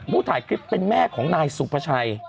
ถ่ายคลิปเป็นแม่ของนายสุภาชัย